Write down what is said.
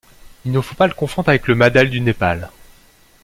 Il ne faut pas le confondre avec le madal du Népal.